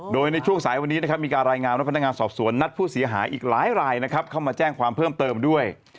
โดยในช่วงสายวันนี้นะครับมีการรายงานว่าพนักงานสอบสวนนัดผู้เสียหายอีกหลายรายนะครับเข้ามาแจ้งความเพิ่มเติมด้วย